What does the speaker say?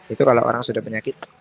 itu kalau orang sudah penyakit